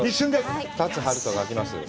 立つ春と書きます。